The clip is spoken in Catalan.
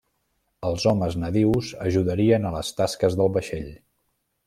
Els homes nadius ajudarien a les tasques del vaixell.